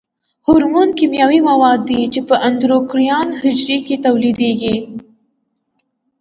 هورمون کیمیاوي مواد دي چې په اندوکراین حجرو کې تولیدیږي.